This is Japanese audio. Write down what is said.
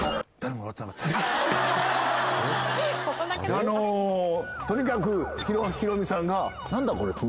あのとにかくヒロミさんがて